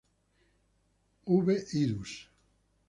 V. idus.